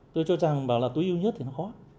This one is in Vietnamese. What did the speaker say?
tôi cho rằng bảo là tối ưu nhất thì nó khó